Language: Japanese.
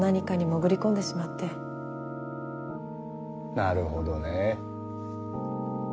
なるほどね。